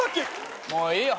もういいよ。